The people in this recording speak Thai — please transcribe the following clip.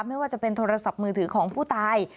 ไม่ว่าจะเป็นโทรศัพท์มือถือของผู้ตาย